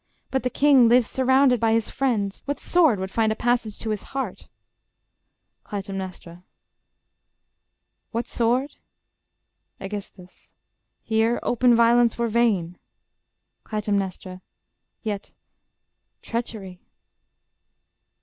But the king lives surrounded by his friends: What sword would find a passage to his heart? Cly. What sword? Aegis. Here open violence were vain. Cly. Yet, ... treachery!